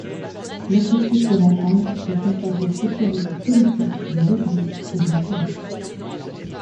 L'effectif de la chambre se compose de spécialistes politiques, de lobbyistes et de juristes.